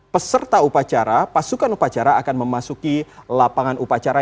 peserta upacara pasukan upacara akan memasuki lapangan upacara